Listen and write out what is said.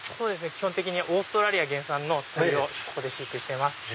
基本的にオーストラリア原産の鳥をここで飼育してます。